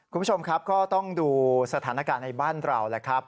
คุณผู้ชมครับก็ต้องดูสถานการณ์ในบ้านเรา